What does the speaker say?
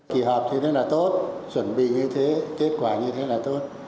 kỳ họp thì rất là tốt chuẩn bị như thế kết quả như thế là tốt